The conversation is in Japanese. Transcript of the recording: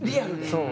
そう。